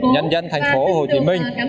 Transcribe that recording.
nhân dân thành phố hồ chí minh